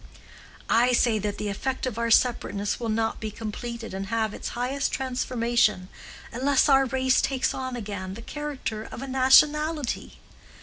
I say that the effect of our separateness will not be completed and have its highest transformation unless our race takes on again the character of a nationality.